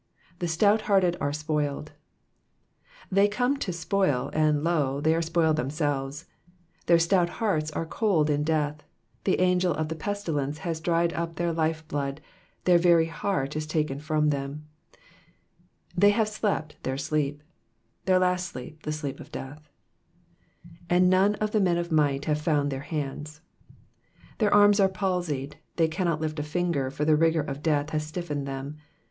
''''The stouthearted are spoiled.^'* Tliey came to spoil, and lo ! they are spoiled themselves. Their stout hearts are cold in death, the angel of the l^tilence has dried up their life blood, their very heart is taken from them. ^*'They have slept their sleep,^^ Their last sleep— the sleep of death. ^^And none of the men of might hate found their hands.'*^ Their arms are palsied, they cannot lift a finger, for the rigour of death has stiffened them.